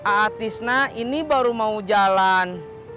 atisna ini baru mau jalan